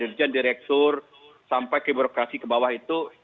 dirjen direktur sampai ke birokrasi ke bawah itu